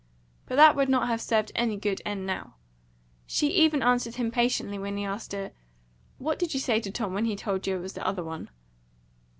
But that would not have served any good end now. She even answered him patiently when he asked her, "What did you say to Tom when he told you it was the other one?"